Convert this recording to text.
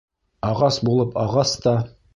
Ағас булып ағас та